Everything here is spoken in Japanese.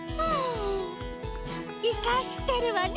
いかしてるわね